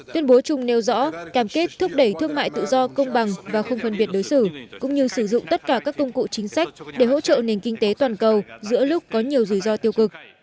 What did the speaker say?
tuyên bố chung nêu rõ cam kết thúc đẩy thương mại tự do công bằng và không phân biệt đối xử cũng như sử dụng tất cả các công cụ chính sách để hỗ trợ nền kinh tế toàn cầu giữa lúc có nhiều rủi ro tiêu cực